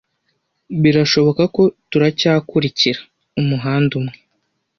birashoboka ko turacyakurikira umuhanda umwe